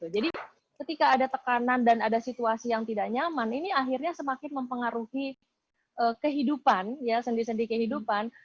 jadi ketika ada tekanan dan ada situasi yang tidak nyaman ini akhirnya semakin mempengaruhi kehidupan sendir sendir kehidupan